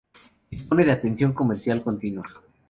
Dispone de atención comercial continua.